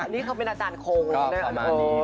นี่เขาเป็นอาจารย์โคง